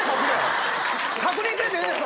確認せんでええねん！